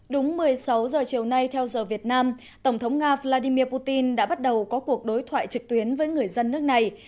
đúng một mươi sáu h chiều nay theo giờ việt nam tổng thống nga vladimir putin đã bắt đầu có cuộc đối thoại trực tuyến với người dân nước này